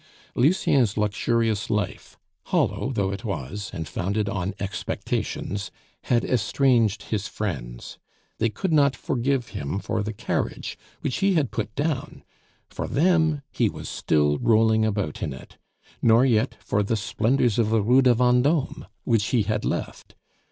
Lucien's luxurious life, hollow though it was, and founded on expectations, had estranged his friends. They could not forgive him for the carriage which he had put down for them he was still rolling about in it nor yet for the splendors of the Rue de Vendome which he had left.